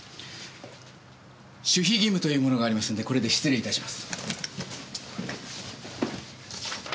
守秘義務というものがありますのでこれで失礼致します。